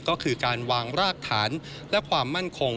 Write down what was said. ก็คือการวางรากฐานและความมั่นคง